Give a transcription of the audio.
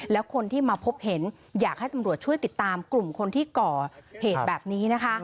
แล้วคนที่มาพบเห็นอยากให้ตำรวจช่วยติดตามกลุ่มคนที่ก่อเหตุแบบนี้นะคะ